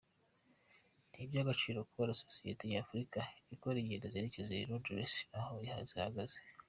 N’iby’agaciro kubona sosiyeta Nyafurika ikora ingendo zerekeza Londres ntaho zihagaze.